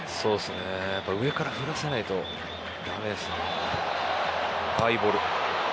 上から降らさないとだめですね。